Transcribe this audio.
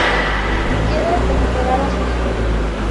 Y quiere recuperar a su hijo.